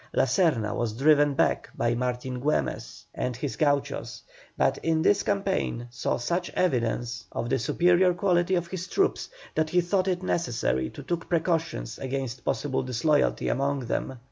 La Serna was driven back by Martin Güemes and his gauchos, but in this campaign saw such evidence of the superior quality of his troops that he thought it necessary to take precautions against possible disloyalty among them.